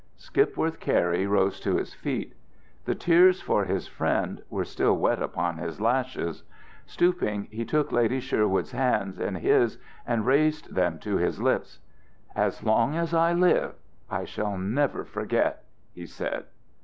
Skipworth Cary rose to his feet. The tears for his friend were still wet upon his lashes. Stooping, he took Lady Sherwood's hands in his and raised them to his lips. "As long as I live, I shall never forget," he said.